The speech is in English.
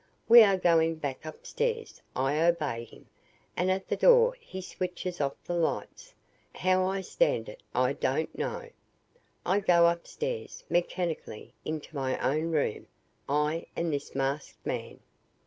We are going back upstairs.' I obey him, and at the door he switches off the lights. How I stand it, I don't know. I go upstairs, mechanically, into my own room I and this masked man.